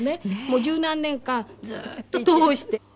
もう十何年間ずっと通して。